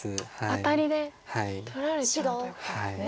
アタリで取られちゃうということですね。